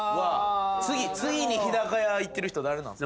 次に日高屋行ってる人誰なん？